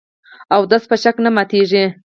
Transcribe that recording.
اودس په شک نه ماتېږي .